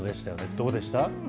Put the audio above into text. どうでした？